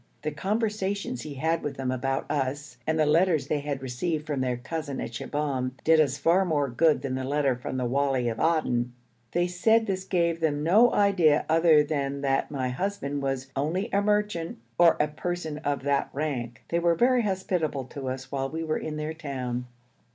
The conversations he had with them about us, and the letters they had received from their cousin at Shibahm, did us far more good than the letter from the wali of Aden. They said this gave them no idea other than that my husband was 'only a merchant' or a person of that rank. They were very hospitable to us while we were in their town.